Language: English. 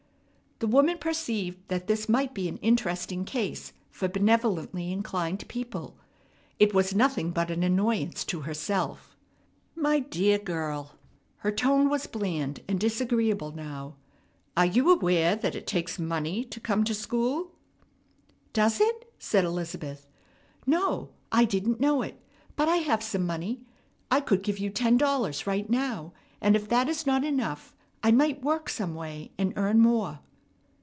The woman perceived that this might be an interesting case for benevolently inclined people. It was nothing but an annoyance to herself. "My dear girl," her tone was bland and disagreeable now, "are you aware that it takes money to come to school?" "Does it?" said Elizabeth. "No, I didn't know it, but I have some money. I could give you ten dollars right now; and, if that is not enough, I might work some way, and earn more."